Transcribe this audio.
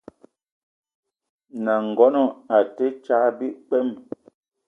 N’nagono a te tsag kpwem.